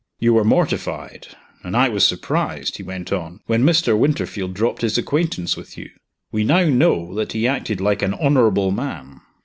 "You were mortified, and I was surprised," he went on, "when Mr. Winterfield dropped his acquaintance with you. We now know that he acted like an honorable man."